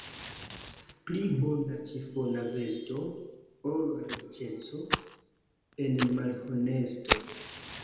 Pli bona ĉifona vesto, ol riĉeco en malhonesto.